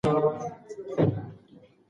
ایا سړی پوهېږي چې مېرمن یې کباب غواړي؟